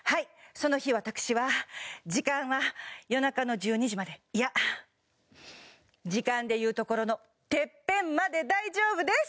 その日私は時間は夜中の１２時までいや時間でいうところのテッペンまで大丈夫です！